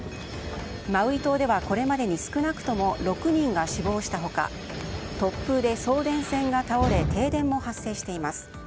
マウイ島では少なくともこれまでに６人が死亡した他突風で送電線が倒れ停電も発生しています。